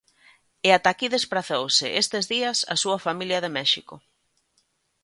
E ata aquí desprazouse estes días a súa familia de México.